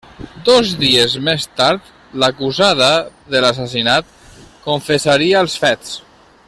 Dos dies més tard l'acusada de l'assassinat confessaria els fets.